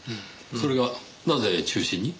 それがなぜ中止に？